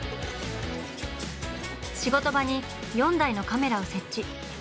仕事場に４台のカメラを設置。